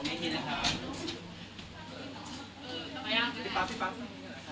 เก่งมากไปไป